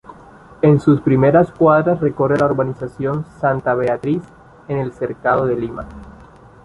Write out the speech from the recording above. En sus primeras cuadras recorre la urbanización Santa Beatriz en el Cercado de Lima.